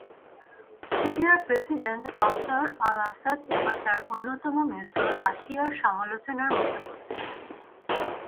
সিরিয়ার president Bashar al Assad এবার তাঁর অন্যতম মিত্র রাশিয়ার সমালোচনার মুখে পড়েছেন।